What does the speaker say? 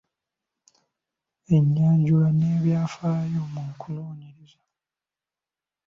Ennyanjula n’ebyafaayo mu kunoonyereza.